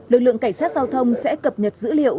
lực lượng cảnh sát giao thông sẽ cập nhật dữ liệu